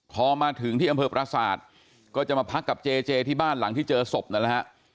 พอมาถึงที่อำเภอประสาทก็จะมาพักกับเจเจที่บ้านหลังที่เจอศพนั่นแหละฮะ